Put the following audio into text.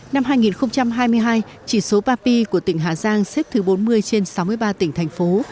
năm hai nghìn hai mươi hai chỉ số papi của tỉnh hà giang xếp thứ bốn mươi trên sáu mươi ba tỉnh thành phố